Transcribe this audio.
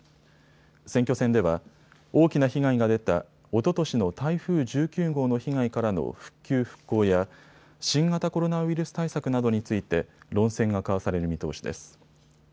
選挙戦では大きな被害が出たおととしの台風１９号の被害からの復旧、復興や新型コロナウイルス対策などについて論戦が交わされる見通しです。